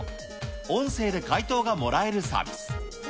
音声で回答がもらえるサービス。